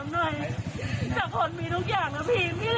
ถ้าพลมีทุกอย่างแล้วเพียงมันไม่เหลืออะไร